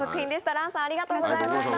Ｒａｎさんありがとうございました。